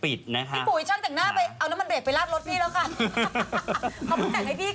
พี่ปุ๊ยหน้ามาจากไลฟ์เบรคลาดรถรถ